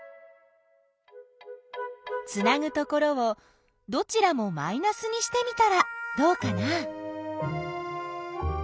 つなぐところをどちらもマイナスにしてみたらどうかな？